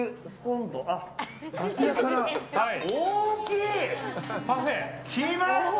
あちらから大きい来ました！